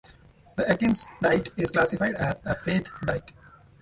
The Atkins diet is classified as a fad diet.